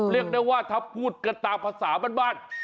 เรียกได้ว่าถ้าพูดกันตามภาษาบ้านให้ซ้อมดิวะ